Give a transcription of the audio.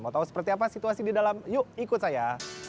mau tahu seperti apa situasi di dalam yuk ikut saya